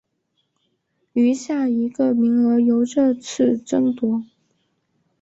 余下一个名额由热刺争夺。